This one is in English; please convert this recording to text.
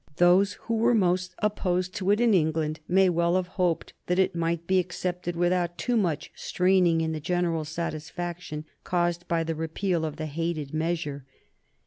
Those who were most opposed to it in England may well have hoped that it might be accepted without too much straining in the general satisfaction caused by the repeal of the hated measure.